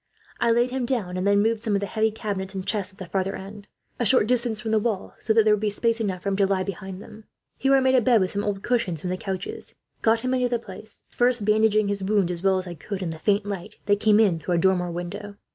I laid him down, and then moved some of the heavy cabinets and chests, at the farther end, a short distance from the wall, so that there would be space enough for him to lie behind them. Here I made a bed, with some old cushions from the couches; got him into the place, first bandaging his wounds, as well as I could in the faint light that came in through a dormer window.